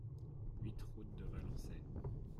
huit route de Valençay